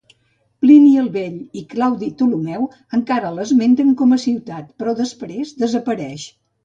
Plini el Vell i Claudi Ptolemeu encara l'esmenten com a ciutat però després desapareix.